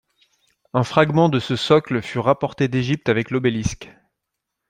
Un fragment de ce socle fut rapporté d'Égypte avec l'Obélisque.